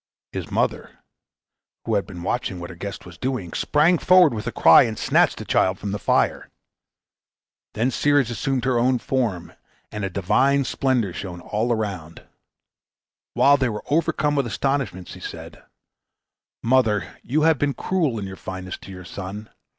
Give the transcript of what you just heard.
His mother, who had been watching what her guest was doing, sprang forward with a cry and snatched the child from the fire. Then Ceres assumed her own form, and a divine splendor shone all around. While they were overcome with astonishment, she said, "Mother, you have been cruel in your fondness to your son.